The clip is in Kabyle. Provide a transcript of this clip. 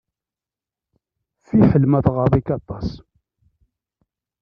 Fiḥel ma tɣaḍ-ik aṭas.